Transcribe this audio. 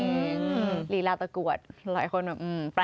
ลีลาการตะกรวดหลายคนแปละ